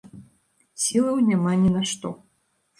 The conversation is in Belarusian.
Сілаў няма ні на што.